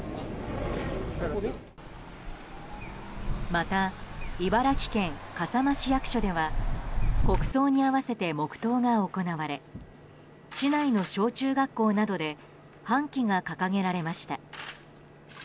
また、茨城県笠間市役所では国葬に合わせて黙祷が行われ市内の小中学校などで半旗が掲げられました。